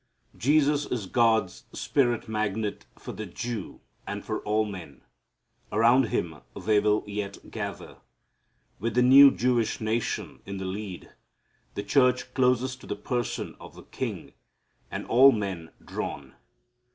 Jesus is God's spirit magnet for the Jew and for all men. Around Him they will yet gather, with the new Jewish nation in the lead, the church closest to the person of the king, and all men drawn.